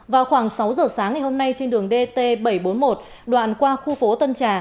vào khoảng sáu giờ sáng ngày hôm nay trên đường dt bảy trăm bốn mươi một đoạn qua khu phố tân trà